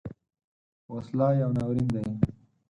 وسله یو ناورین دی